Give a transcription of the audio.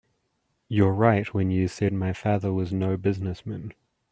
You're right when you say my father was no business man.